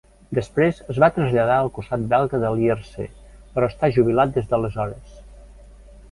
Després es va traslladar al costat belga de Lierse, però està jubilat des d'aleshores.